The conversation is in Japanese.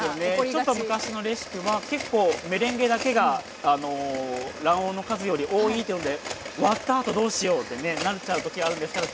ちょっと昔のレシピは結構メレンゲだけが卵黄の数より多いっていうので割ったあとどうしようってねなっちゃう時あるんですけど。